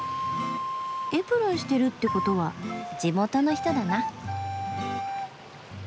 エプロンしてるってことは地元の人だな。